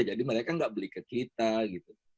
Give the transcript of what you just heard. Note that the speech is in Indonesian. jadi mereka nggak beli ke kita gitu